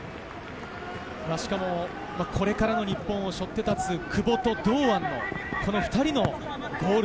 しかもこれからの日本を背負って立つ久保と堂安のこの２人のゴール。